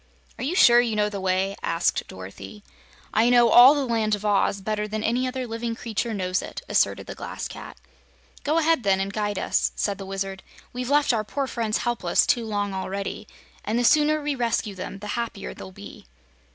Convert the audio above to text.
"Are you sure you know the way?" asked Dorothy. "I know all the Land of Oz better than any other living creature knows it," asserted the Glass Cat. "Go ahead, then, and guide us," said the Wizard. "We've left our poor friends helpless too long already, and the sooner we rescue them the happier they'll be."